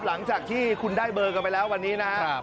หลังจากที่คุณได้เบอร์กันไปแล้ววันนี้นะครับ